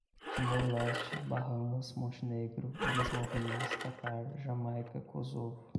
Timor-Leste, Bahamas, Montenegro, Ilhas Malvinas, Catar, Jamaica, Kosovo